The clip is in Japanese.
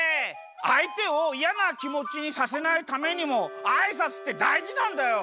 あいてをいやなきもちにさせないためにもあいさつってだいじなんだよ。